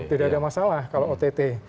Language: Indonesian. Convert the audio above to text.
tidak ada masalah kalau ott